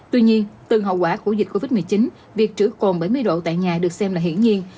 tuy nhiên từng hậu quả của dịch covid một mươi chín việc trữ cồn bảy mươi độ tại nhà được xem là hiển nhiên